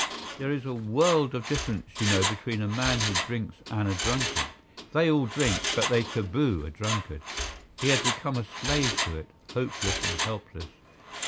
There is a world of difference, you know, between a man who drinks and a drunkard. They all drink, but they taboo a drunkard. He had become a slave to it—hopeless and helpless.